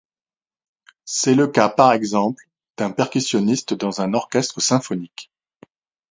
C'est le cas par exemple, d'un percussionniste dans un orchestre symphonique.